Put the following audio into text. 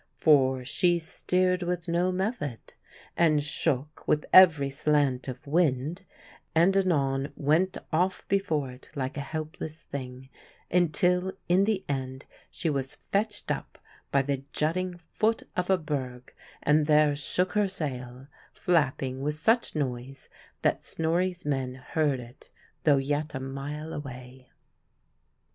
For she steered with no method, and shook with every slant of wind, and anon went off before it like a helpless thing, until in the end she was fetched up by the jutting foot of a berg, and there shook her sail, flapping with such noise that Snorri's men heard it, though yet a mile away.